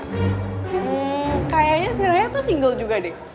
hmm kayaknya si raya tuh single juga deh